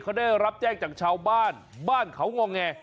เขาได้รับแจ้งจากชาวบ้านบ้านเขางอแง